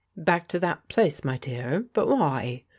" Back to that place, my dear. But why